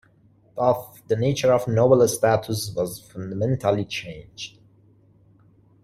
Thus, the nature of noble status was fundamentally changed.